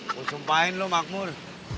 aku sumpahin loh makmur